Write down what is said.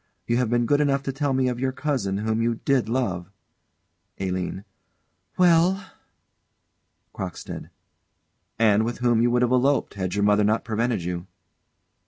You have been good enough to tell me of your cousin, whom you did love ALINE. Well? CROCKSTEAD. And with whom you would have eloped, had your mother not prevented you.